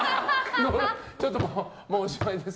ちょっと、もうおしまいです。